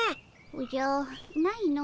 おじゃないの。